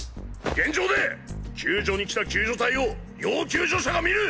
現場で救助に来た救助隊を要救助者が見る。